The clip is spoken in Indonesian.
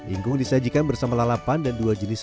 ingkung disajikan bersama lalapan dan dua jenis